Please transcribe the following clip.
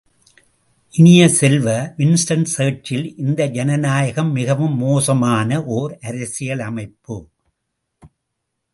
இனிய செல்வ, Winston Churchill இந்த ஜன நாயகம் மிகவும் மோசமான ஓர் அரசியல் அமைப்பு.